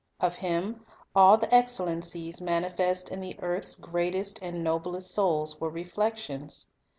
Of Him all the excellences manifest in the earth's greatest and noblest souls were reflections.